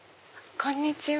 こんにちは。